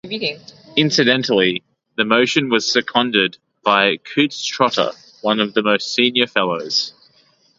Incidentally, the motion was seconded by Coutts Trotter, one of the most senior Fellows.